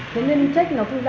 thế nên trách nó không ra rồi